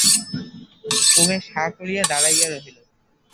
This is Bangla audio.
উমেশ হাঁ করিয়া দাঁড়াইয়া রহিল।